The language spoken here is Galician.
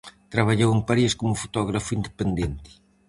Traballou en París como fotógrafo independente.